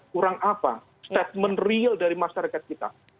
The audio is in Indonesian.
kurang apa statement real dari masyarakat kita